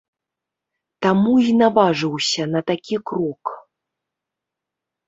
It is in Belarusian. Таму і наважыўся на такі крок.